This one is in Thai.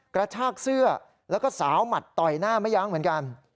กระชากเสื้อแล้วก็สาวหมัดต่อยหน้าไม่ยั้งเหมือนกัน